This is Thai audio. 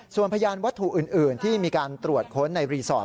ส่วนพยานวัตถุอื่นที่มีการตรวจค้นในรีสอร์ท